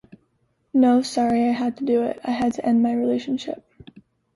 No, sorry, I had to do it. I have to end my relationship.